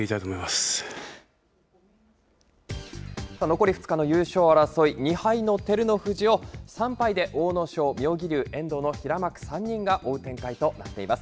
残り２日の優勝争い、２敗の照ノ富士を、３敗で阿武咲、妙義龍、遠藤の平幕３人が追う展開となっています。